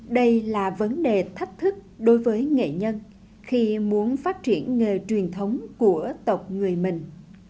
đây là vấn đề thách thức đối với nghệ nhân khi muốn phát triển nghề truyền thống của tộc người mình